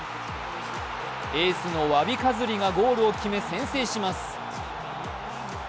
エースのワビ・カズリがゴールを決め先制します。